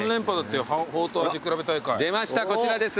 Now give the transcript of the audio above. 出ましたこちらです。